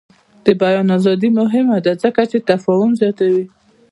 د بیان ازادي مهمه ده ځکه چې تفاهم زیاتوي.